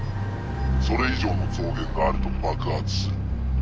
それ以上の増減があると爆発する。